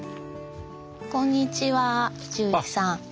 こんにちは純一さん。